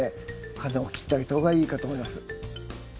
花を切ってあげた方がいいかと思います。